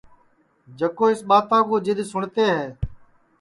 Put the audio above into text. جکو اِس ٻاتا کُو جِدؔ سُٹؔتے ہے